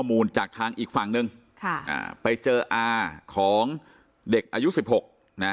มูลจากทางอีกฝั่งหนึ่งค่ะอ่าไปเจออาของเด็กอายุสิบหกนะ